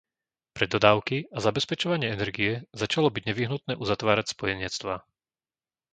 Pre dodávky a zabezpečovanie energie začalo byť nevyhnutné uzatvárať spojenectvá.